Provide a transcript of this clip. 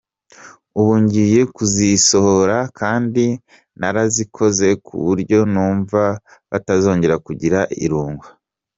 Ubu ngiye kuzisohora kandi narazikoze ku buryo numva batazongera kugira irungu.